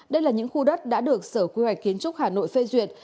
đây là những khu đất đã được sở quy hoạch kiến trúc hà nội phê duyệt